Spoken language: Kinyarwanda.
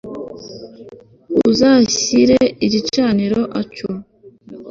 Uzashyire igicaniro a cyo